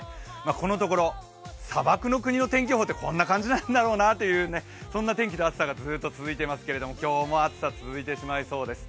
このところ砂漠の国の天気予報ってこんな感じなんだろうな、そんな天気がずっと続いていますけれども今日も暑さ続いていきそうです。